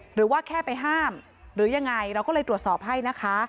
หรือว่าแค่ไปห้ามหรือยังไงเราก็เลยตรวจสอบให้นะคะ